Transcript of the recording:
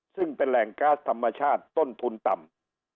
ซึ่งเป็นแหล่งก๊าซธรรมชาติต้นทุนต่ำ